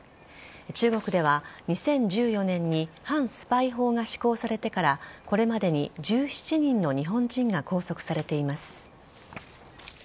中国では、２０１４年に反スパイ法が施行されてからこれまでに１７人の日本人が拘束されています。